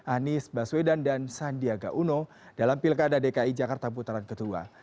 anies baswedan dan sandiaga uno dalam pilkada dki jakarta putaran kedua